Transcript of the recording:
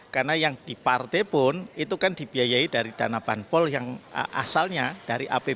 karena yang di partai pun itu kan dibiayai dari dana banpol yang asalnya dari apbn